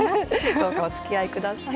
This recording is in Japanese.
どうかおつきあいください。